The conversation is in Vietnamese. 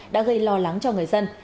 đã gây lo lắng cho người dân